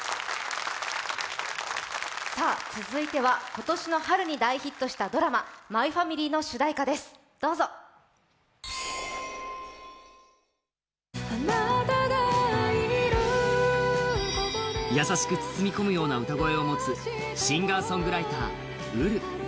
続いては、今年の春に大ヒットしたドラマ「マイファミリー」の主題歌です、どうぞ優しく包み込むような歌声を持つシンガーソングライター、Ｕｒｕ。